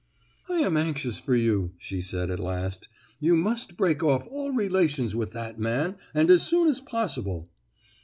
"I am anxious for you," she said at last. "You must break off all relations with that man, and as soon as possible."